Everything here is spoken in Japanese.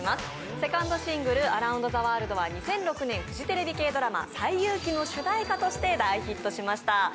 セカンドシングル「ＡｒｏｕｎｄＴｈｅＷｏｒｌｄ」は２００６年フジテレビ系ドラマ「西遊記」の主題歌として大ヒットしました。